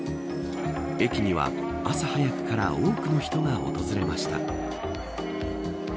駅には、朝早くから多くの人が訪れました。